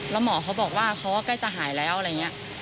แล้วหมอเขาบอกว่าเขาก็ใกล้จะหายแล้วอะไรอย่างนี้